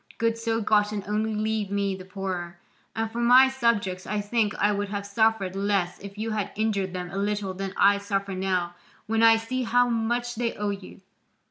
Goods so gotten only leave me the poorer. And for my subjects I think I would have suffered less if you had injured them a little than I suffer now when I see how much they owe you.